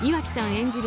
演じる